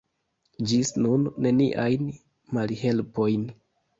Ĝis nun neniajn malhelpojn.